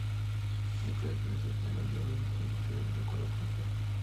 Nicolás, ministro general de la Orden Trinitaria, de acuerdo con fr.